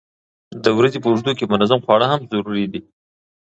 د ورځې په اوږدو کې منظم خواړه هم ضروري دي.